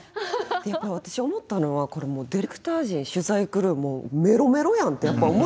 やっぱ私思ったのはこれディレクター陣取材クルーもうメロメロやんってやっぱ思いますよね。